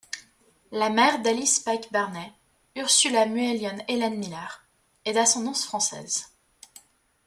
La mère d'Alice Pike Barney, Ursula Muellion “Ellen” Miller, est d'ascendance française.